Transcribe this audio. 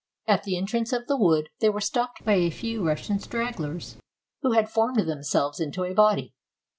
At the entrance of the wood they were stopped by a few Russian stragglers, who had formed themselves into a body.